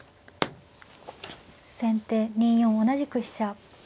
先手２四同じく飛車。